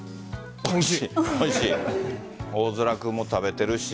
大空君も食べてるし。